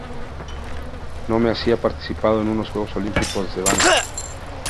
No me hacía participando en unos Juegos Olímpicos de blanco".